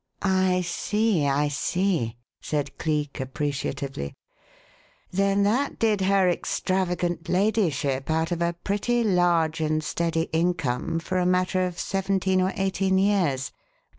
"I see! I see!" said Cleek, appreciatively. "Then that did her extravagant ladyship out of a pretty large and steady income for a matter of seventeen or eighteen years.